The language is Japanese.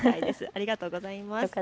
ありがとうございます。